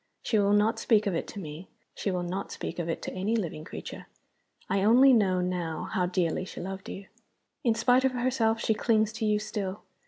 She will not speak of it to me she will not speak of it to any living creature. I only know now how dearly she loved you. In spite of herself she clings to you still.